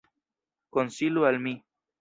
Konsilu al mi.